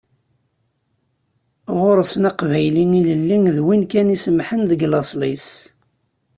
Ɣur-sen "Aqbayli ilelli" d win kan isemmḥen deg laṣel-is.